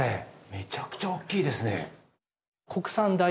めちゃくちゃおっきいですね。